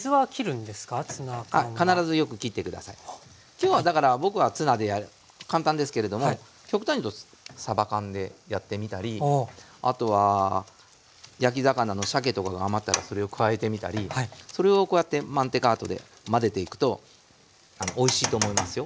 今日はだから僕はツナで簡単ですけれども極端に言うとサバ缶でやってみたりあとは焼き魚のシャケとかが余ったらそれを加えてみたりそれをこうやってマンテカートで混ぜていくとおいしいと思いますよ。